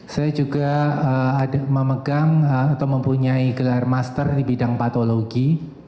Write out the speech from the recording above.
saya juga memegang atau mempunyai gelar master di bidang patologi